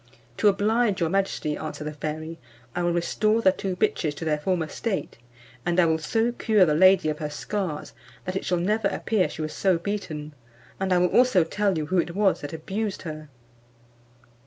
"To oblige your majesty," answered the fairy, "I will restore the two bitches to their former state, and I will so cure the lady of her scars, that it shall never appear she was so beaten; and I will also tell you who it was that abused her."